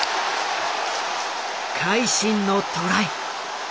会心のトライ。